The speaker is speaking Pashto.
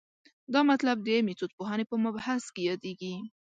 دا مطلب د میتودپوهنې په مبحث کې یادېږي.